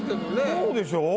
そうでしょ？